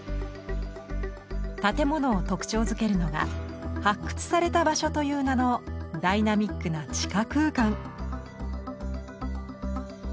建物を特徴づけるのが「発掘された場所」という名のダイナミックな地下空間。